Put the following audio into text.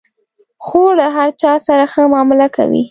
خور له هر چا سره ښه معامله کوي.